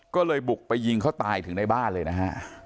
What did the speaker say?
ก็เลยบุกไปยิงเขาตายถึงในบ้านเลยนะฮะ